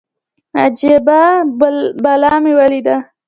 اجبه بلا مې وليده.